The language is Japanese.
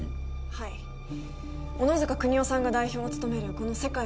はい小野塚邦男さんが代表を務めるこの世界